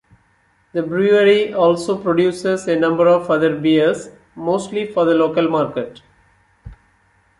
The brewery also produces a number of other beers, mostly for the local market.